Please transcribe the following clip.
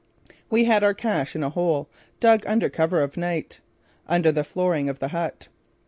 We had our cache in a hole, dug under cover of night, under the flooring of the hut.